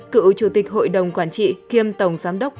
cựu chủ tịch hội đồng quản trị kiêm tổng giám đốc công an